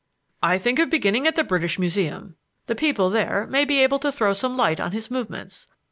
"I think of beginning at the British Museum. The people there may be able to throw some light on his movements.